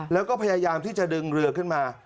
แล้วก็พยายามที่จะดึงเรือขึ้นมา